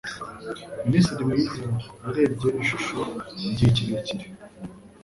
Minisitiri mwiza yarebye ishusho igihe kirekire